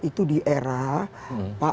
itu di era pak